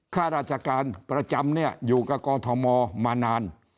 ข้าราชการประจำเนี่ยอยู่กับกอทมมานาน